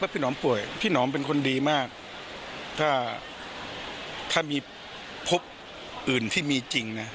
พี่หนอมป่วยพี่หนอมเป็นคนดีมากถ้าถ้ามีพบอื่นที่มีจริงนะ